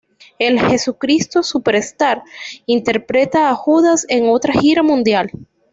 En "Jesucristo Superstar" interpreta a Judas en otra gira mundial.